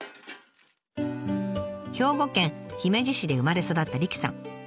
兵庫県姫路市で生まれ育った理妃さん。